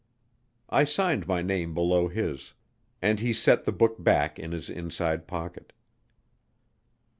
I signed my name below his; and he set the book back in his inside pocket.